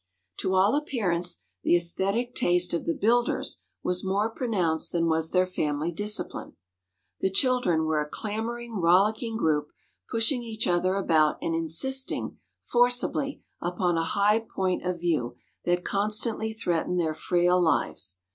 To all appearance the esthetic taste of the builders was more pronounced than was their family discipline. The children were a clamoring, rollicking group, pushing each other about and insisting, forcibly, upon a high point of view that constantly threatened their frail lives.